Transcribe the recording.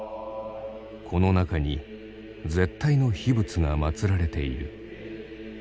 この中に絶対の秘仏が祭られている。